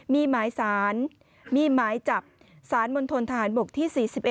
มีไม้สารมีไม้จับสารมณฑลทหารบกที่๔๑